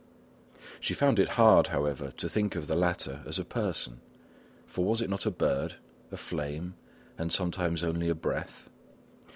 She found it hard, however, to think of the latter as a person, for was it not a bird, a flame, and sometimes only a breath?